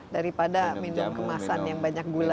daripada minum kemasan yang banyak gula